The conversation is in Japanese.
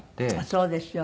そうですよね。